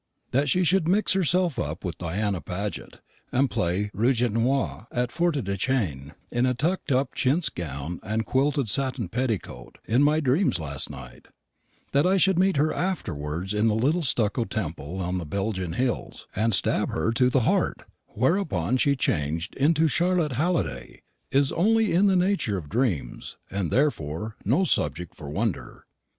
That she should mix herself up with Diana Paget, and play rouge et noir at Forêtdechêne in a tucked up chintz gown and a quilted satin petticoat, in my dreams last night that I should meet her afterwards in the little stucco temple on the Belgian hills, and stab her to the heart, whereon she changed into Charlotte Halliday is only in the nature of dreams, and therefore no subject for wonder.